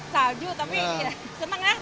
salju tapi senang ya